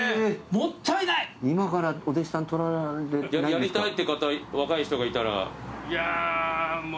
やりたいっていう方若い人がいたら。